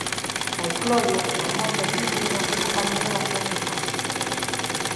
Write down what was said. Mais Clodio, fermoso e feminino, foi compañeiro das súas irmás.